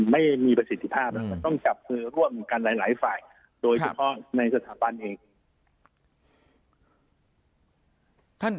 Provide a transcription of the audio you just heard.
ไม่มีประสิทธิภาพต้องการร่วมกันหลายฝ่ายโดยเฉพาะในสถาบันเอง